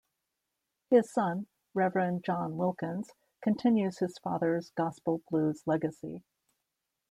His son, Reverend John Wilkins, continues his father's gospel blues legacy.